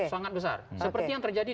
sangat besar seperti yang terjadi